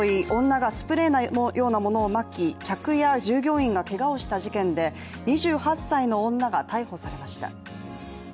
女がスプレーのようなものをまき客や従業員がけがをした事件で２８歳の女が逮捕されました。